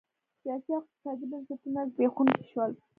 سیاسي او اقتصادي بنسټونه زبېښونکي شول.